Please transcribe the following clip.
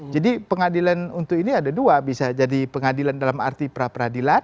jadi pengadilan untuk ini ada dua bisa jadi pengadilan dalam arti pra peradilan